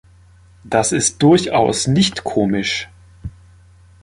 Das ist durchaus nicht komisch.